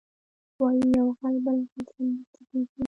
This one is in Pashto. وایي یو غل بل غل سمدستي پېژني